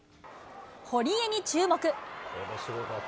堀江に注目。